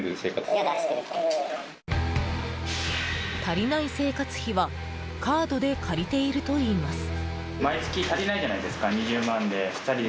足りない生活費はカードで借りているといいます。